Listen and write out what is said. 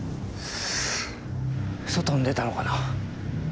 外に出たのかな？